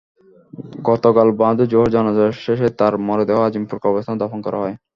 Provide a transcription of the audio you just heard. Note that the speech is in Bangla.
গতকাল বাদ জোহর জানাজা শেষে তাঁর মরদেহ আজিমপুর কবরস্থানে দাফন করা হয়।